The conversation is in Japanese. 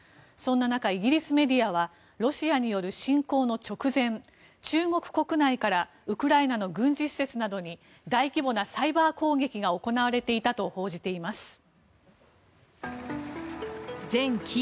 そんな中、イギリスメディアはロシアによる侵攻の直前中国国内からウクライナの軍事施設などに大規模なサイバー攻撃が行われていたと報じています。